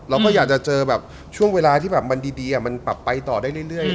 เราก็อยากจะเจอแบบช่วงเวลาที่แบบมันดีมันแบบไปต่อได้เรื่อย